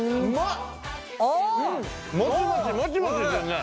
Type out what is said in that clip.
もちもちもちもちしてるね。